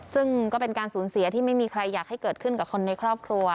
ซึ่งก็เป็นการสูญเสียที่ไม่มีใครอยากให้เกิดขึ้นกับคนในครอบครัว